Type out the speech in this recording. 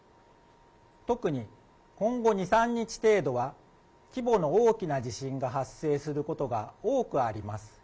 特に今後２、３日程度は、規模の大きな地震が発生することが多くあります。